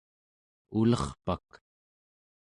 ulerpak